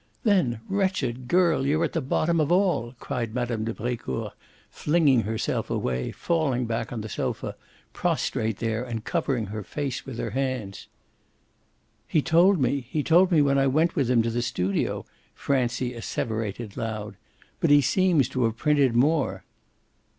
Then, wretched girl, you're at the bottom of ALL!" cried Mme. de Brecourt, flinging herself away, falling back on the sofa, prostrate there and covering her face with her hands. "He told me he told me when I went with him to the studio!" Francie asseverated loud. "But he seems to have printed more."